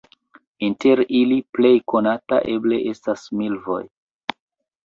Inter ili plej konata eble estas milvoj.